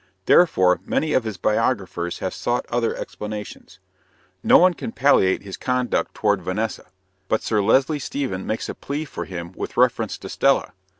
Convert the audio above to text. Therefore, many of his biographers have sought other explanations. No one can palliate his conduct toward Vanessa; but Sir Leslie Stephen makes a plea for him with reference to Stella.